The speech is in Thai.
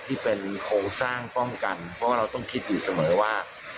ที่เป็นโครงสร้างป้องกันเพราะว่าเราต้องคิดอยู่เสมอว่า